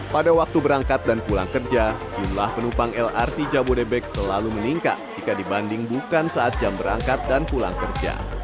pada waktu berangkat dan pulang kerja jumlah penumpang lrt jabodebek selalu meningkat jika dibanding bukan saat jam berangkat dan pulang kerja